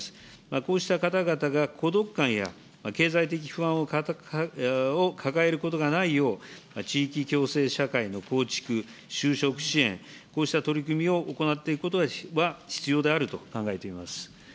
こうした方々が孤独感や経済的不安を抱えることがないよう、地域共生社会の構築、就職支援、こうした取り組みを行っていくことは必要であると考えています。